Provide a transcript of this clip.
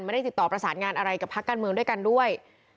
ไม่ได้ติดต่อประสานงานอะไรกับภาคการเมืองด้วยกันด้วย